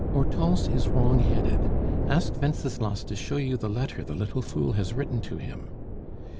Hortense is wrong headed. Ask Wenceslas to show you the letter the little fool has written to him.